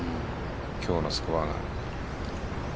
今日のスコアが。